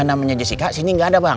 namanya jessica sini nggak ada bang